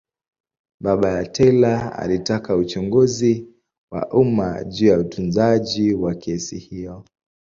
Baba ya Taylor alitaka uchunguzi wa umma juu ya utunzaji wa kesi hiyo.